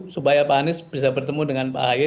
supaya pak anies bisa bertemu dengan pak ahy